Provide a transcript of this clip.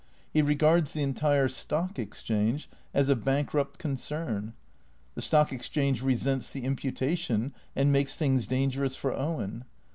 He regards the entire Stock Exchange as a hank rupt concern. The Stock Exchange resents the imputation and makes things dangerous for Owen.